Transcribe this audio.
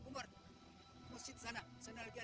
masjid di sana di sana lagi ada pengajian